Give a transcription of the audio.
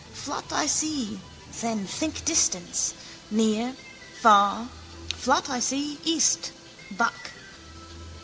Flat I see, then think distance, near, far, flat I see, east, back.